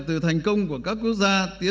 từ thành công của các quốc gia